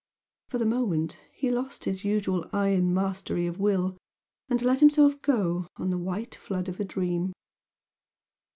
For the moment he lost his usual iron mastery of will and let himself go on the white flood of a dream.